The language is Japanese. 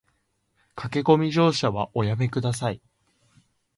駆け込み乗車はおやめ下さい